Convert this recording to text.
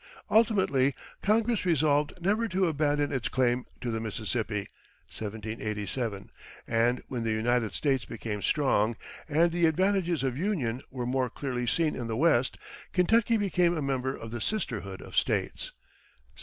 Ultimately Congress resolved never to abandon its claim to the Mississippi (1787); and when the United States became strong, and the advantages of union were more clearly seen in the West, Kentucky became a member of the sisterhood of States (1792).